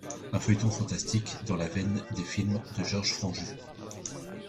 Un feuilleton fantastique dans la veine des films de Georges Franju.